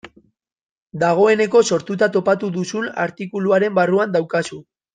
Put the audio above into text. Dagoeneko sortuta topatu duzun artikuluaren barruan daukazu.